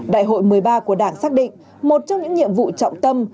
đại hội một mươi ba của đảng xác định một trong những nhiệm vụ trọng tâm